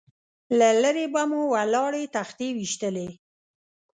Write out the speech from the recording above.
له لرې به مو ولاړې تختې ويشتلې.